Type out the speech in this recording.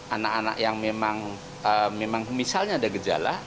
anak anak yang memang misalnya ada gejala